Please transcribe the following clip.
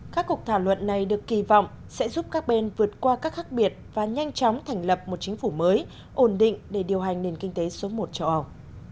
các cuộc thảo luận này được kỳ vọng sẽ giúp các bên vượt qua các khác biệt và nhanh chóng thành lập một chính phủ mới ổn định để điều hành nền kinh tế số một châu âu